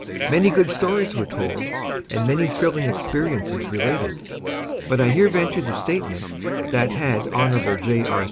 Many good stories were told and many thrilling experiences related. But I here venture the statement that had Hon. J. R.